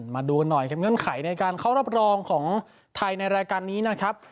มาดูกันหน่อยครับเงื่อนไขในการเข้ารับรองของไทยในรายการนี้นะครับ